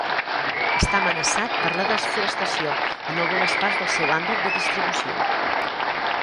Està amenaçat per la desforestació en algunes parts del seu àmbit de distribució.